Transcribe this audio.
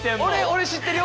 俺知ってるよ。